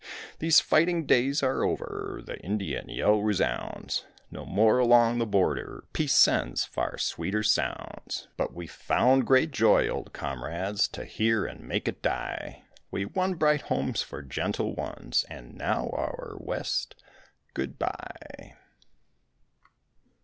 These fighting days are over; The Indian yell resounds No more along the border; Peace sends far sweeter sounds. But we found great joy, old comrades, To hear, and make it die; We won bright homes for gentle ones, And now, our West, good bye.